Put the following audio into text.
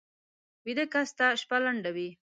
ویده کس ته شپه لنډه وي